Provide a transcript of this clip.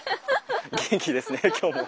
元気ですね今日も。